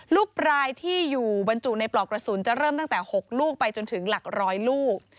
ลูกปลายที่อยู่บรรจุในปลอกกระสุนจะเริ่มตั้งแต่๖ลูกไปจนถึงหลักร้อยลูก